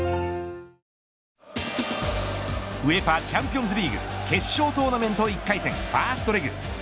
チャンピオンズリーグ決勝トーナメント１回戦、ファーストレグ。